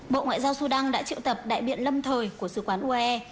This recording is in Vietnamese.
bộ ngoại giao sudan đã triệu tập đại biện lâm thời của sứ quán uae